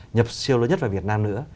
nhập siêu lớn nhất vào việt nam nữa